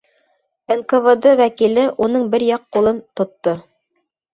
НКВД вәкиле уның бер яҡ ҡулын тотто.